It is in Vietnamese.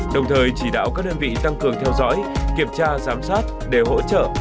đồng thời chỉ đạo các đơn vị tăng cường theo dõi kiểm tra giám sát để hỗ trợ